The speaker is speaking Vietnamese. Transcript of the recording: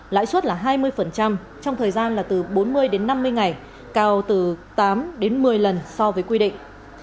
lãi suất là hai mươi trong thời gian là từ bốn mươi đến năm mươi ngày cao từ tám đến một mươi lần so với quy định